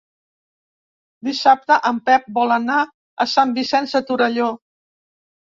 Dissabte en Pep vol anar a Sant Vicenç de Torelló.